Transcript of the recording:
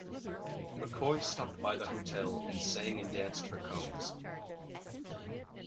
McCoy stopped by the hotel and sang and danced for Combs.